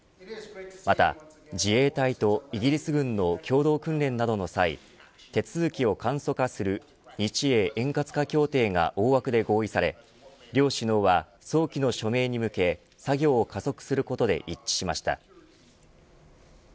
また、自衛隊とイギリス軍の共同訓練などの際手続きを簡素化する日英円滑化協定が大枠で合意され両首脳は早期の署名に向け作業を加速することで一致しました。